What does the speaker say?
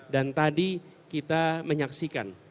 dan tadi kita menyaksikan